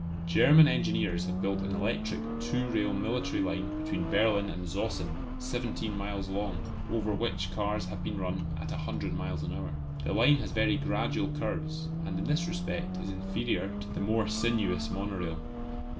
German engineers have built an electric two rail military line between Berlin and Zossen, seventeen miles long, over which cars have been run at a hundred miles an hour. The line has very gradual curves, and in this respect is inferior to the more sinuous monorail.